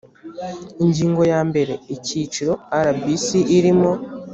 ingingo ya mbere icyiciro rbc irimo